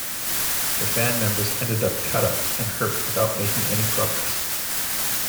The band members ended up cut up and hurt without making any progress.